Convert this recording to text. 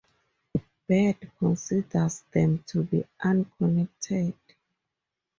Bird considers them to be unconnected.